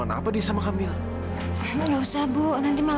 nanti malah ngerepotin